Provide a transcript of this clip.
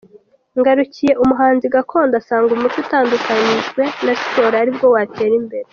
Ngarukiye, umuhanzi gakondo, asanga umuco utandukanyijwe na siporo ari bwo watera imbere.